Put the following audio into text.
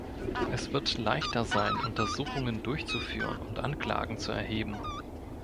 Es wird leichter sein, Untersuchungen durchzuführen und Anklagen zu erheben.